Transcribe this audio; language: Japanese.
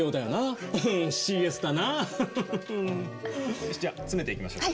よしじゃあ詰めていきましょうか。